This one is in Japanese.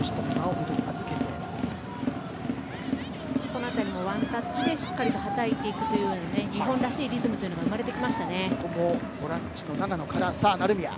この辺りもワンタッチでしっかりはたいていくという日本らしいリズムが生まれてきましたね。